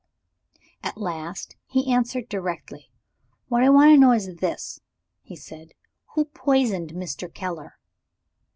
At last he answered directly. "What I want to know is this," he said. "Who poisoned Mr. Keller?"